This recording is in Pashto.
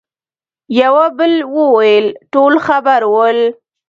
يوه بل وويل: ټول خبر ول.